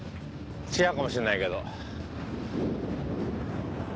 違うかもしれないけど。